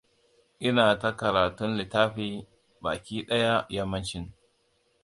Ina ta karatun littafi ba ki ɗaya yammacin.